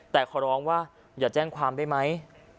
แต่ขอร้องว่าอย่าแจ้งความได้ไหม